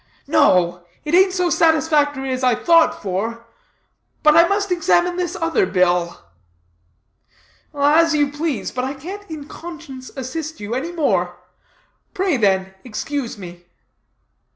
"No; it ain't so satisfactory as I thought for, but I must examine this other bill." "As you please, but I can't in conscience assist you any more; pray, then, excuse me."